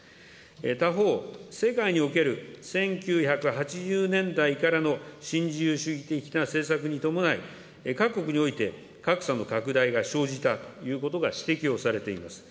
他方、世界における１９８０年代からの新自由主義的な政策に伴い、各国において格差の拡大が生じたということが指摘をされております。